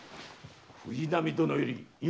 藤波殿より今。